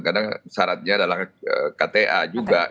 karena syaratnya adalah kta juga